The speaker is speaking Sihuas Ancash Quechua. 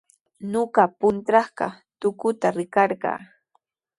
Ñuqa puntrawpa tukuta rikarqaa.